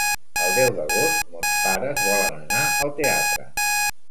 El deu d'agost mons pares volen anar al teatre.